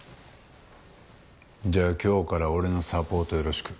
じゃあ今日から俺のサポートよろしく。